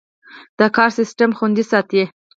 دا کار سیستم خوندي ساتي.